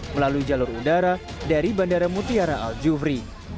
melalui jalur udara dari bandara mutiara al jufri